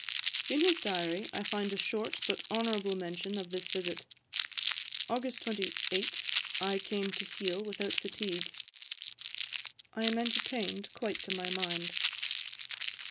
In his diary I find a short but honourable mention of this visit: 'August 28, I came to Heale without fatigue. 30. I am entertained quite to my mind.'